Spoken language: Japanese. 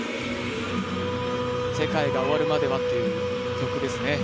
「世界が終るまでは」という曲ですね。